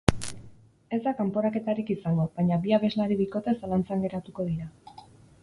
Ez da kanporaketarik izango, baina bi abeslari bikote zalantzan geratuko dira.